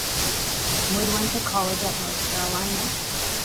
Wood went to college at North Carolina.